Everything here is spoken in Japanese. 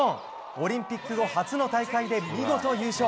オリンピック後、初の大会で見事優勝。